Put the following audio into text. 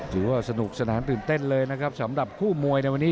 ถือว่าสนุกสนานตื่นเต้นเลยนะครับสำหรับคู่มวยในวันนี้